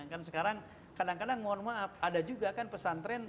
kan sekarang kadang kadang mohon maaf ada juga kan pesantren